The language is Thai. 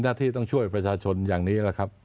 หน้าที่ต้องช่วยประชาชนอย่างนี้แหละครับ